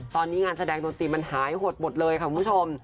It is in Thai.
ตอนนี้งานแสดงดนตรีมันหายหดหมดเลยค่ะคุณผู้ชม